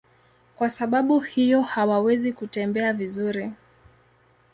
Kwa sababu hiyo hawawezi kutembea vizuri.